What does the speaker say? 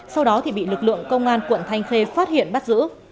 sau đó thì bị lực lượng công an quận thanh khê phát hiện bắt giữ